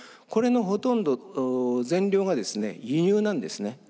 これのほとんど全量がですね輸入なんですね。